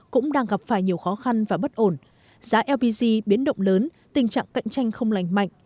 cũng đang gặp phải nhiều khó khăn và bất ổn giá lpg biến động lớn tình trạng cạnh tranh không lành mạnh